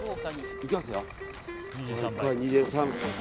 いきますよ、２３。